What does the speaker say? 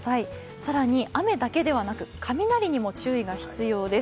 更に雨だけではなく雷にも注意が必要です。